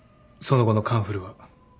その後の『カンフル』は。